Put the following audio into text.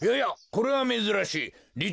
これはめずらしい。